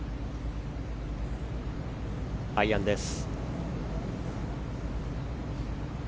アイアンです。